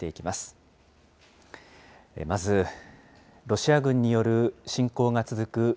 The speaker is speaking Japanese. まずロシア軍による侵攻が続く